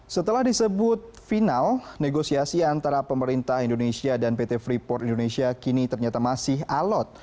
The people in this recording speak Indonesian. setelah disebut final negosiasi antara pemerintah indonesia dan pt freeport indonesia kini ternyata masih alot